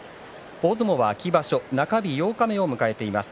大相撲秋場所中日八日目を迎えています。